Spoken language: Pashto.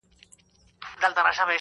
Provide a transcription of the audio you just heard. او پنځونو په هیله